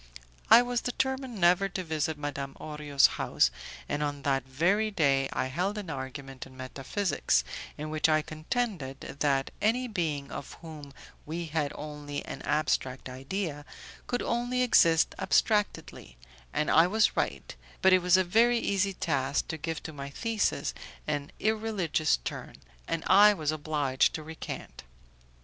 I was determined never to visit Madame Orio's house, and on that very day I held an argument in metaphysics, in which I contended that any being of whom we had only an abstract idea, could only exist abstractedly, and I was right; but it was a very easy task to give to my thesis an irreligious turn, and I was obliged to recant.